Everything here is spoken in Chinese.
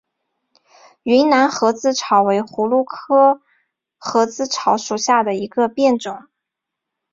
云南盒子草为葫芦科盒子草属下的一个变种。